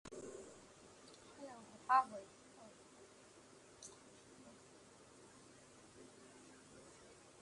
Sierra Nevada College's main campus is located in Incline Village.